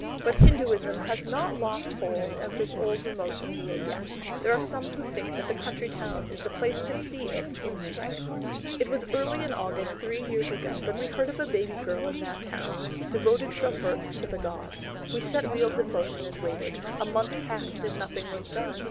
But Hinduism has not lost hold of this old remote India yet. There are some who think that the country town is the place to see it in strength. [Illustration: AT THE DOOR OF THE TEMPLE.] It was early in August, three years ago, that we heard of a baby girl in that town, devoted from birth to the god. We set wheels in motion, and waited. A month passed and nothing was done.